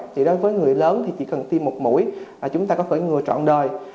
thì đối với người lớn thì chỉ cần tiêm một mũi là chúng ta có thể ngừa trọn đời